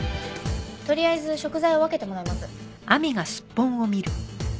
とりあえず食材を分けてもらいます。